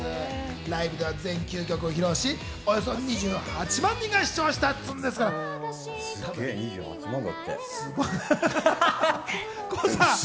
ライブでは全９曲を披露し、およそ２８万人が視聴したんです。